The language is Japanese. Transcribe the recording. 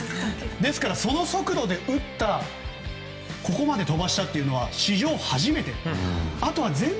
ですから、その速度で打ってここまで飛ばしたのは史上初めて。